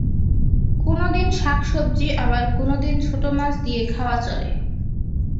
কোনো দিন শাকসবজি, আবার কোনো দিন শুধু ছোট মাছ দিয়ে খাওয়া চলে।